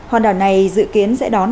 hòn đảo này dự kiến sẽ đón